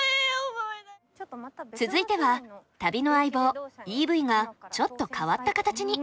続いては旅の相棒ＥＶがちょっと変わった形に。